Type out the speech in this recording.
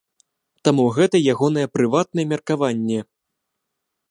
Таму гэта ягонае прыватнае меркаванне.